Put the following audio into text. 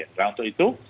nah untuk itu